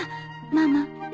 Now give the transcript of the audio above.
ママ。